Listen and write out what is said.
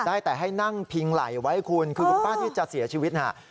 ได้แต่ให้นั่งพิงไหล่ไว้คุณคือคุณป้าที่จะเสียชีวิตฮะ